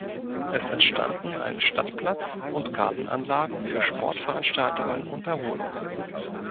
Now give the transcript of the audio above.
Es entstanden ein Stadtplatz und Gartenanlagen für Sportveranstaltungen und Erholung.